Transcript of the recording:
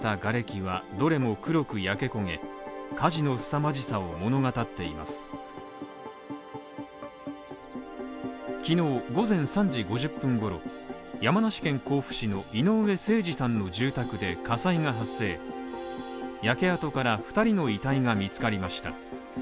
きのう午前３時５０分ごろ、山梨県甲府市の井上盛司さんの住宅で火災が発生し、焼け跡から２人の遺体が見つかりました。